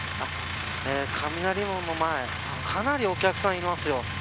雷門の前かなりお客さんいますよ。